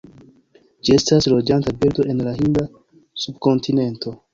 Ĝi estas loĝanta birdo en la Hinda subkontinento.